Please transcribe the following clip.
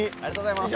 ありがとうございます。